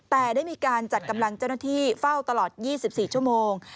แต่ได้มีการจัดกำลังเจ้าหน้าที่เฝ้าตลอด๒๔ชั่วโมง